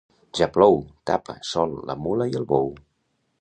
Ja plou, tapa, sol, la mula i el bou.